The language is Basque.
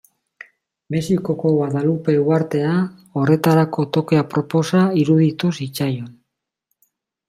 Mexikoko Guadalupe uhartea horretarako toki aproposa iruditu zitzaion.